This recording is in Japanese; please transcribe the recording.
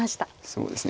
そうですね。